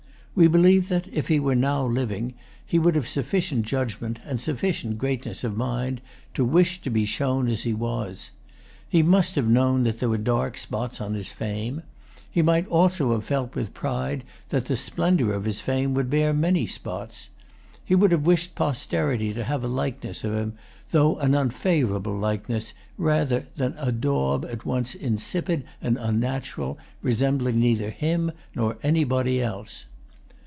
We believe that, if he were now living, he would have sufficient judgment and sufficient greatness of mind to wish to be shown as he was. He must have known that there were dark spots on his fame. He might also have felt with pride that the splendor of his fame would bear many spots. He would have wished posterity to have a likeness of him, though an unfavorable likeness, rather than a daub at once insipid and unnatural, resembling neither him nor anybody else.